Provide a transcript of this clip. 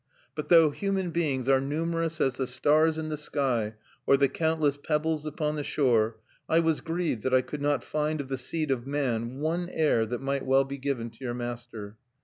"But though human beings are numerous as the stars in the sky or the countless pebbles upon the shore, I was grieved that I could not find of the seed of man one heir that might well be given to your master.